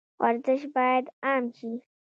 ورزش باید عام شي